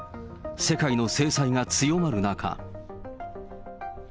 世界の制裁が強まる中。